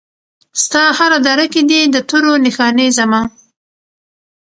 ستا هره دره کې دي د تورو نښانې زما